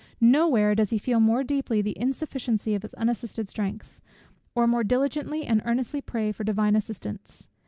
No where does he more deeply feel the insufficiency of his unassisted strength, or more diligently and earnestly pray for divine assistance.